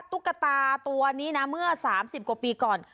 ตุ๊กตาตัวนี้นะเมื่อ๓๐กว่าปีก่อน